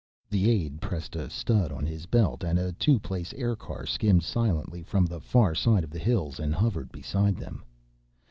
The aide pressed a stud on his belt and a two place aircar skimmed silently from the far side of the hills and hovered beside them.